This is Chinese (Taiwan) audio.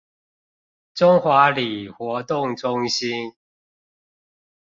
中華里活動中心